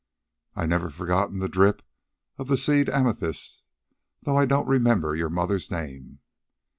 "I've never forgotten the drip of the seed amethysts, though I don't remember your mother's name."